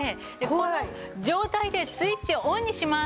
この状態でスイッチオンにします。